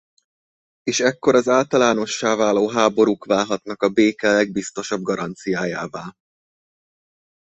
És ekkor az általánossá váló háborúk válhatnak a béke legbiztosabb garanciájává.